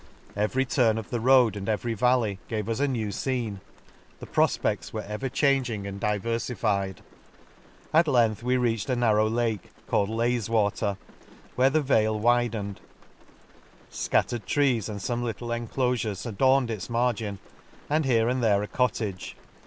— Every turn of the road, and every val ley, gave us a new fcene ;— the profpedls were ever changing and diverfified. At length we reached a narrow Lake, called Lays water, where the vale widened ;— fcattered trees and fome little inclofures adorned its margin, and here and there a cottage.